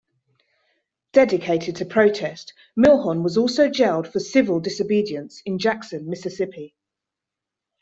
Dedicated to protest, Milhon was also jailed for civil disobedience in Jackson, Mississippi.